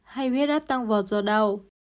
hay huyết áp tăng vọt do đau